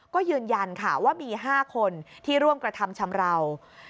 ก็ยืนยันค่ะว่ามี๕คนที่ร่วมกระทำชำราว